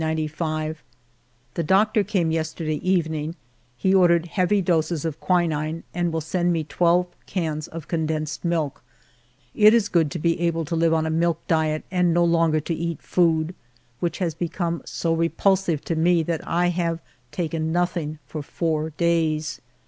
The doctor came yesterday evening. He ordered heavy doses of quinine, and will send ALFRED DREYFUS 135 me twelve cans of condensed milk. It is good to be able to live on a milk diet and no longer to eat food, which has become so repulsive to me that I have taken nothing for four days.